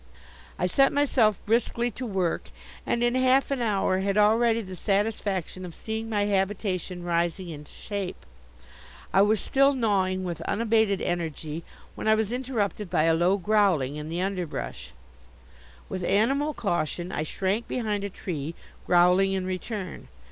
I set myself briskly to work and in half an hour had already the satisfaction of seeing my habitation rising into shape. I was still gnawing with unabated energy when I was interrupted by a low growling in the underbrush. With animal caution I shrank behind a tree, growling in return.